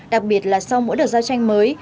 đặc biệt là sau mỗi đợt giao tranh mới